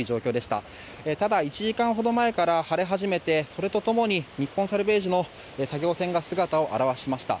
ただ、１時間ほど前から晴れ始めてそれとともに日本サルベージの作業船が姿を現しました。